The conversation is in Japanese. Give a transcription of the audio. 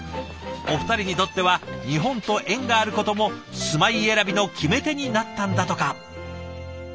お二人にとっては日本と縁があることも住まい選びの決め手になったんだとか。